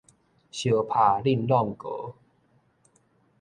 相拍輾挵膏